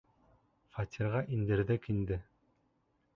Фатирға индерҙек инде.